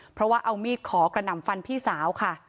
เพราะว่าเอามีดขอกระหน่ำฟันพี่สาวค่ะ